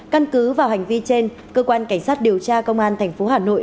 căn cứ vào hành vi trên cơ quan cảnh sát điều tra công an tp hà nội